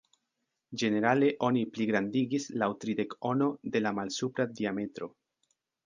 Ĝenerale oni pligrandigis laŭ tridek-ono de la malsupra diametro.